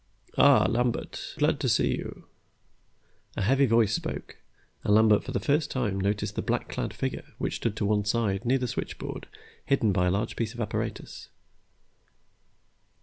"Ah, Lambert. Glad to see you." A heavy voice spoke, and Lambert for the first time noticed the black clad figure which stood to one side, near the switchboard, hidden by a large piece of apparatus.